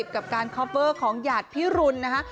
กับการคอปเวอร์ของหยาดพิรุณนะคะ